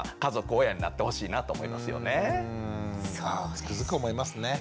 つくづく思いますね。